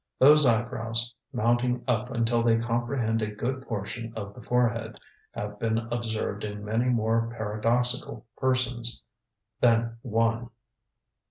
Those eyebrows, mounting up until they comprehend a good portion of the forehead, have been observed in many more paradoxical persons than one.